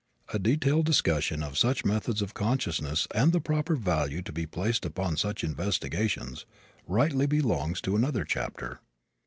A detailed discussion of such methods of consciousness and the proper value to be placed upon such investigations rightly belongs to another chapter.